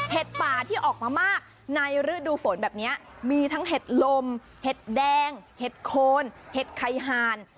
ป่าที่ออกมามากในฤดูฝนแบบนี้มีทั้งเห็ดลมเห็ดแดงเห็ดโคนเห็ดไข่หาน